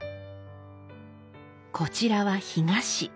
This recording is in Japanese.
こちらは干菓子。